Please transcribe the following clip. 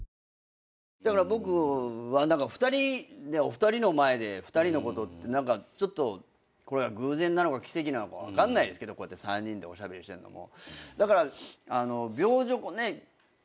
僕はお二人の前で二人のことってこれは偶然なのか奇跡なのか分かんないですけどこうやって３人でおしゃべりしてんのも。